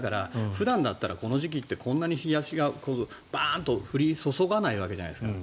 普段だったらこの時期こんなに日差しがバーンと降り注がないわけじゃないですか。